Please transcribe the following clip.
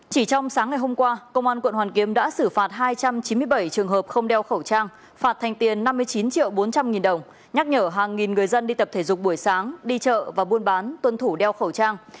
chỉ trong sáng ngày hôm qua công an quận hoàn kiếm đã xử phạt hai trăm chín mươi bảy trường hợp không đeo khẩu trang phạt thành tiền năm mươi chín triệu bốn trăm linh nghìn đồng nhắc nhở hàng nghìn người dân đi tập thể dục buổi sáng đi chợ và buôn bán tuân thủ đeo khẩu trang